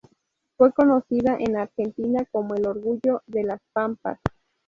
Fue conocida en Argentina como El orgullo de las pampas.